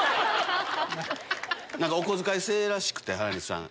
お小遣い制らしくて原西さん。